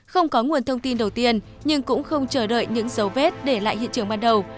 không có nguồn thông tin đầu tiên nhưng cũng không chờ đợi những dấu vết để lại hiện trường ban đầu